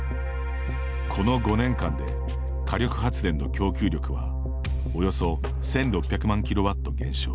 この５年間で火力発電の供給力はおよそ１６００万ｋＷ減少。